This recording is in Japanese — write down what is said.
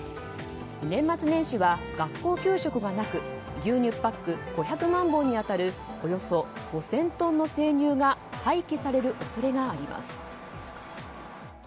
年末年始は学校給食がなく牛乳パック５００万本に当たるおよそ５０００トンの生乳が廃棄される恐れがあります。